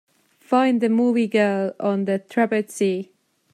Find the movie Girl on the Trapeze